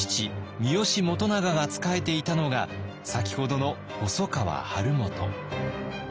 三好元長が仕えていたのが先ほどの細川晴元。